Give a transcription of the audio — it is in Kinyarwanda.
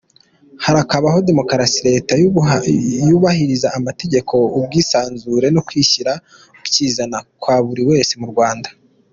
Harakabaho Demokarasi, Leta yubahiriza amategeko, ubwisanzure no kwishyira ukizana kwa buri wese mu Rwanda.